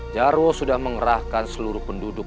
jaro sudah mengerahkan seluruh penduduk